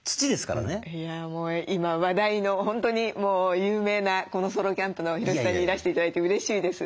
いやもう今話題の本当にもう有名なソロキャンプのヒロシさんにいらして頂いてうれしいです。